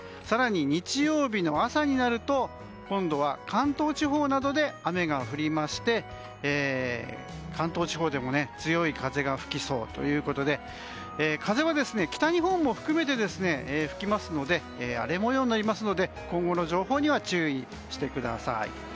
更に、日曜日の朝になると今度は関東地方などで雨が降りまして関東地方でも強い風が吹きそうということで風は北日本も含めて吹きますので荒れ模様になりますので今後の情報には注意してください。